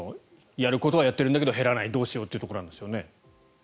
やることはやっているんだけど減らない、どうしようということなんですよね？